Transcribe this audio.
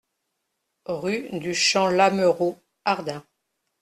Rue du Champ Lameraud, Ardin